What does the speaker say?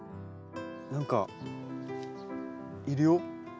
何かいるよ。